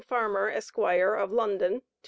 FARMER, ESQ., OF LONDON, TO WM.